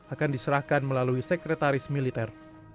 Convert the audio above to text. akan diserahkan melalui sekretaris militer